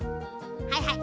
はいはい。